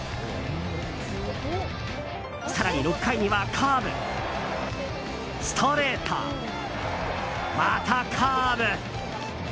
更に、６回にはカーブストレートまたカーブ。